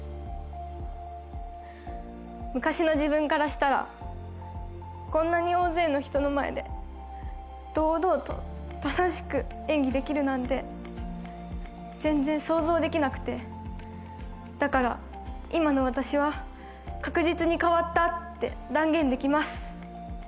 昔の自分からしたらこんなに大勢の人の前で堂々と楽しく演技できるなんて全然想像できなくてだから今の私は確実に変わったって断言できます